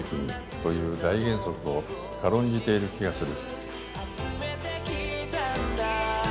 という大原則を軽んじている気がする